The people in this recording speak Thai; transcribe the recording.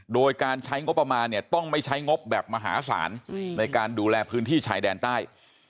โดยการใช้งบประมาณเนี่ยต้องไม่ใช้งบแบบมหาศาลในการดูแลพื้นที่ชายแดนใต้